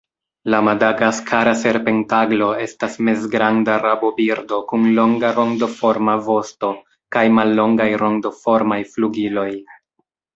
La Madagaskara serpentaglo estas mezgranda rabobirdo kun longa rondoforma vosto kaj mallongaj rondoformaj flugiloj.